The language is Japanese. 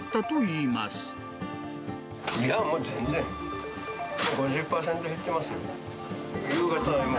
いや、もう全然、５０％減ってますよ。